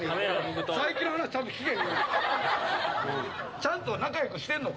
ちゃんと仲良くしてるのか？